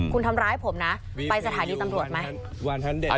คุณทำร้ายผมนะไปสถานีตำรวจไหม